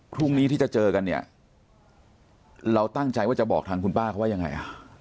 พรุ่งนี้ที่จะเจอกันเนี่ยเราตั้งใจว่าจะบอกทางคุณป้าเขาว่ายังไง